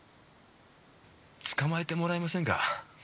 捕まえてもらえませんか？